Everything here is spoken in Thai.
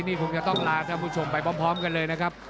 นี่คงจะต้องลาท่านผู้ชมไปพร้อมกันเลยนะครับ